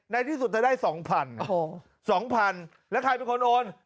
ในที่สุดเธอได้สองพันโอ้โหสองพันแล้วใครเป็นคนโอน